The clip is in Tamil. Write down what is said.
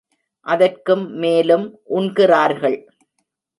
அதற்கும் மேலும் உண்கிறார்கள்.